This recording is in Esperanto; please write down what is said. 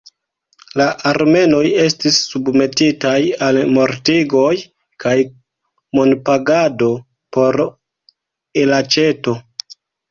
La armenoj estis submetitaj al mortigoj kaj monpagado por elaĉeto.